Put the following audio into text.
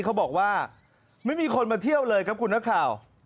เขาบอกว่าไม่มีคนมาเที่ยวเลยครับคุณนักข่าว